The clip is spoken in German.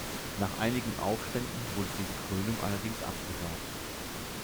Nach einigen Aufständen wurde diese Krönung allerdings abgesagt.